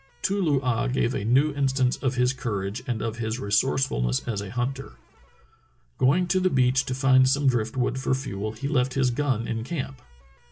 Too loo ah gave a new instance of his courage and of his resourcefulness as a hunter. Going to the beach to find some drift wood for fuel he left his gun in camp.